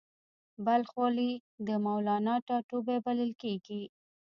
بلخ ولې د مولانا ټاټوبی بلل کیږي؟